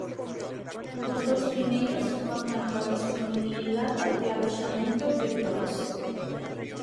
Os dous primeiros contan coa dispoñibilidade de aloxamento de blogs.